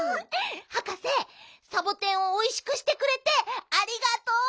はかせサボテンをおいしくしてくれてありがとう。